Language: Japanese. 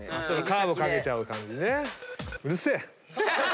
カーブをかけちゃう感じね。